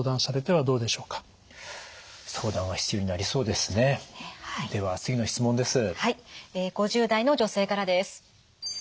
はい５０代の女性からです。